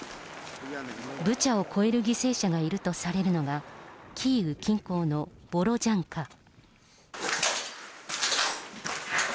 ブチャを超える犠牲者がいるとされるのが、キーウ近郊のボロジャンカ。